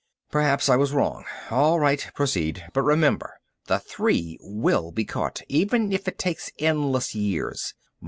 "Perhaps I was wrong. All right, proceed! But remember: the three will be caught, even if it takes endless years.